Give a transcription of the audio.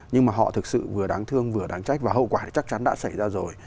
nhưng mà họ thực sự vừa đáng thương vừa đáng trách và hậu quả thì chắc chắn đã xảy ra rồi